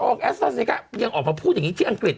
ยังเอามาพูดคืออย่างงี้ที่อังกฤษ